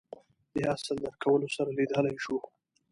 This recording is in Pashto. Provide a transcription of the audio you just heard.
دې اصل درک کولو سره لیدلای شو